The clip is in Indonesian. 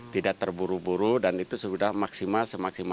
tidak terburu buru dan itu sudah maksimal semaksimal